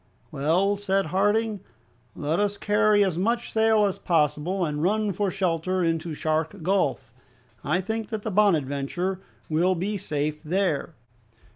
"Well," said Harding, "let us carry as much sail as possible, and run for shelter into Shark Gulf. I think that the 'Bonadventure' will be safe there."